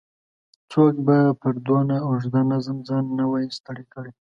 څوک به پر دونه اوږده نظم ځان نه وای ستړی کړی.